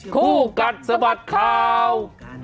คู่กัดสะบัดข่าว